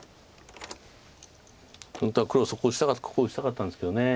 本当は黒ここ打ちたかったんですけど。